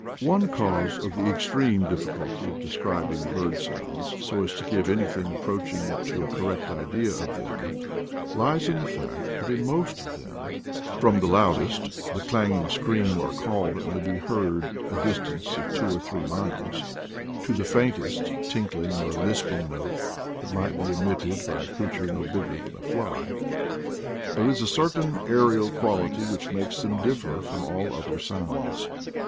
One cause of the extreme difficulty of describing bird sounds so as to give anything approaching to a correct idea of them, lies in the fact that in most of them, from the loudest — the clanging 146 IDLE DAYS IN PATAGONIA scream or call that may be heard a distance of two or three miles — to the faintest tinkling or lisping note that might be emitted by a creature no bigger than a fly, there is a certain aerial quality which makes them differ from all other sounds.